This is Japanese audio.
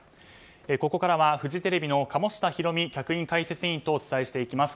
ここからはフジテレビの鴨下ひろみ客員解説委員とお伝えしていきます。